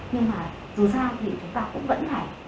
nhưng mà dù sao thì chúng ta cũng vẫn phải